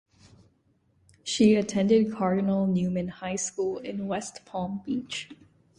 She attended Cardinal Newman High School in West Palm Beach.